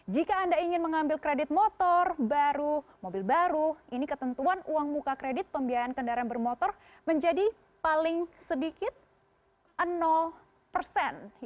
jika anda ingin mengambil kredit motor baru mobil baru ini ketentuan uang muka kredit pembiayaan kendaraan bermotor menjadi paling sedikit persen